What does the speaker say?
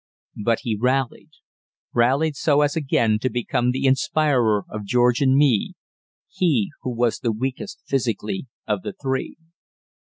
But he rallied rallied so as again to become the inspirer of George and me, he who was the weakest physically of the three.